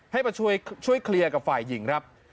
ให้มาช่วยเคลียร์กับฝ่ายหญิงครับ